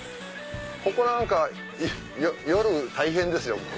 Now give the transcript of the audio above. ここなんか夜大変ですよ。